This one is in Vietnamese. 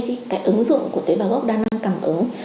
cái ứng dụng của tế bào gốc đa năng cảm ứng